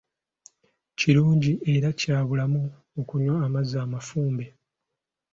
Kirungi era kya bulamu okunywa amazzi amafumbe.